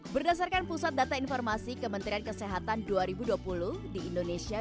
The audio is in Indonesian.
berdasarkan pusat data informasi kementerian kesehatan dua ribu dua puluh di indonesia